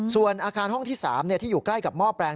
ส่วนอาคารห้องที่๓ที่อยู่ใกล้กับหม้อแปลง